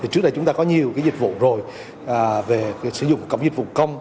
trước đây chúng ta có nhiều dịch vụ rồi về sử dụng cổng dịch vụ công